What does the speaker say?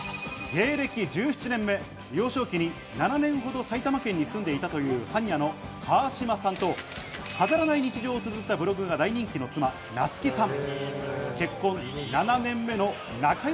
芸歴１７年目、幼少期に７年ほど埼玉県に住んでいたというはんにゃの川島さんと飾らない日常を綴ったブログが人気の菜月さん。